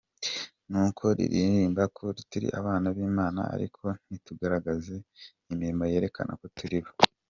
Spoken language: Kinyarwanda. Nuko turirimba ko turi abana b’Imana ariko ntitugaragaze imirimo yerekana ko turi bo”.